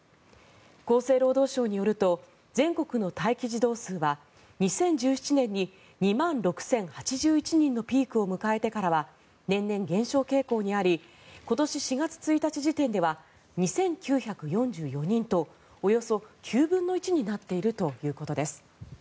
厚生労働省によると全国の待機児童数は２０１７年に２万６０８１人のピークを迎えてからは年々、減少傾向にあり今年４月１日時点では２９４４人と、およそ９分の１になっているということです。